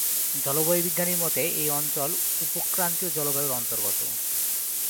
জলবায়ু বিজ্ঞানীর মতে এই অঞ্চল উপক্রান্তীয় জলবায়ুর অন্তর্গত।